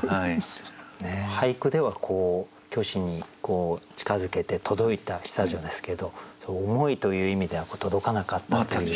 俳句では虚子に近づけて届いた久女ですけど思いという意味では届かなかったという。